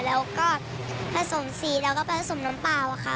แล้วก็ผสมสีแล้วก็ผสมน้ำเปล่าค่ะ